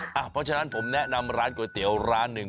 เพราะฉะนั้นผมแนะนำร้านก๋วยเตี๋ยวร้านหนึ่ง